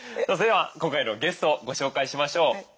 それでは今回のゲストをご紹介しましょう。